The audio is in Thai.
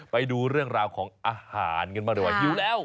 ไปดูเรื่องราวของอาหารกันบ้างดีกว่าหิวแล้ว